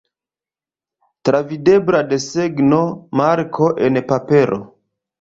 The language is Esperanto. Travidebla desegno, marko, en papero.